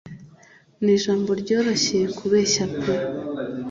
Nijambo ryoroshye kubeshya pe